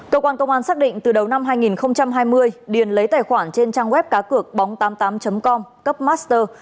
cơ quan công an xác định từ đầu năm hai nghìn hai mươi điền lấy tài khoản trên trang web cá cược bóng tám mươi tám com cấp master